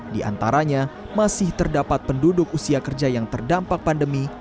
di antaranya masih terdapat penduduk usia kerja yang terdampak pandemi